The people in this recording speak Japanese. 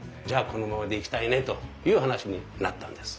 このままでいきたいねという話になったんです。